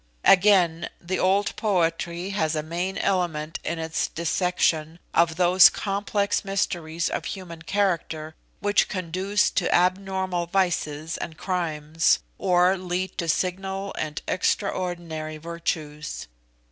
Again, the old poetry has a main element in its dissection of those complex mysteries of human character which conduce to abnormal vices and crimes, or lead to signal and extraordinary virtues.